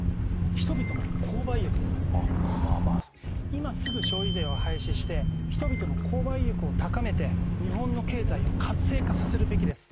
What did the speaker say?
今すぐ消費税を廃止して人々の購買意欲を高めて日本の経済を活性化させるべきです。